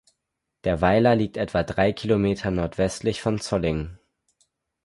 Der Weiler liegt etwa drei Kilometer nordwestlich von Zolling.